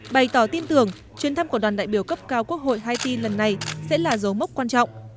bày tỏ tin tưởng chuyến thăm của đoàn đại biểu cấp cao quốc hội haiti lần này sẽ là dấu mốc quan trọng